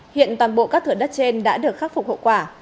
hiện toàn bộ các thửa đất trên đã được khắc phục hậu quả